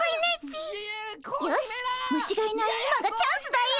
よし虫がいない今がチャンスだよ！